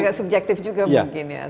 agak subjektif juga mungkin ya